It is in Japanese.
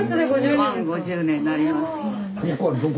満５０年になります。